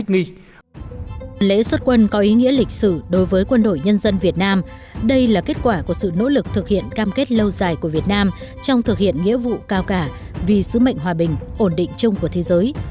lễ xuất quân có ý nghĩa lịch sử đối với quân đội nhân dân việt nam đây là kết quả của sự nỗ lực thực hiện cam kết lâu dài của việt nam trong thực hiện nghĩa vụ cao cả vì sứ mệnh hòa bình ổn định chung của thế giới